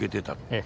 ええ。